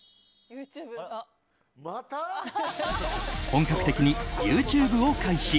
本格的にＹｏｕＴｕｂｅを開始。